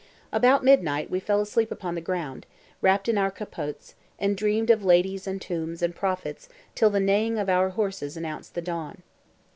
About midnight we fell asleep upon the ground, wrapped in our capotes, and dreamed of ladies and tombs and prophets till the neighing of our horses announced the dawn.